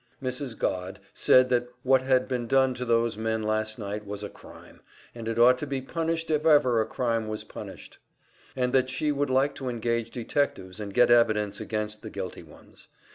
Mrs. Godd said that what had been done to those men last night was a crime, and it ought to be punished if ever a crime was punished, and that she would like to engage detectives and get evidence against the guilty ones.